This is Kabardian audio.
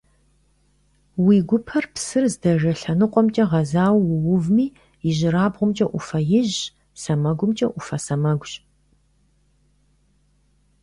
Уи гупэр псыр здэжэ лъэныкъуэмкӀэ гъэзауэ уувым ижьырабгъумкӀэ Ӏуфэ ижъщ, сэмэгумкӀэ Ӏуфэ сэмэгущ.